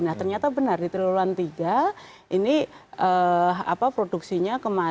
nah ternyata benar di tribulan tiga ini produksinya